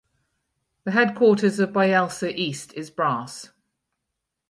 The headquarters of Bayelsa East is Brass.